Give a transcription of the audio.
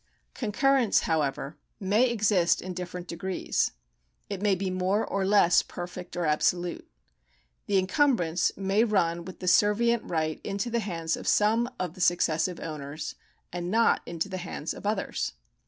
Concurrence, however, may exist in different degrees ; it may be more or less perfect or absolute. The encumbrance may run with the servient right into the hands of some of the successive owners and not into the hands of others.